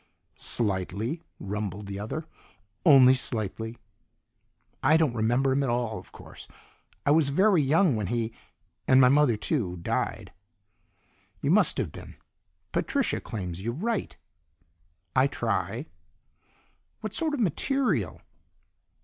"Slightly," rumbled the other. "Only slightly." "I don't remember him at all, of course, I was very young when he and my mother too died." "You must have been. Patricia claims you write." "I try." "What sort of material?"